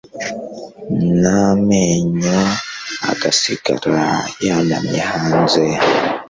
namenyo agasigara yanamye hanze